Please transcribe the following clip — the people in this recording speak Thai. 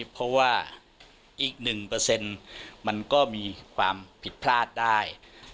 เพราะว่าอีก๑มันก็มีความผิดพลาดได้